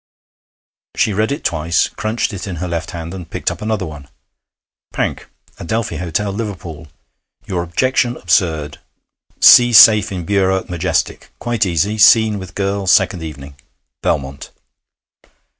She read it twice, crunched it in her left hand, and picked up another one: '_Pank, Adelphi Hotel, Liverpool. Your objection absurd. See safe in bureau at Majestic. Quite easy. Scene with girl second evening_. BELMONT.'